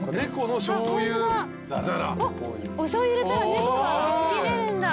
あっおしょうゆ入れたら猫が浮き出るんだ。